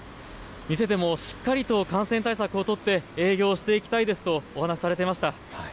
店でもしっかりと感染対策を取って営業していきたいですとお話されていました。